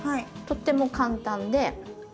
とっても簡単で。